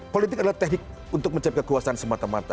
politik adalah teknik untuk mencapai kekuasaan semata mata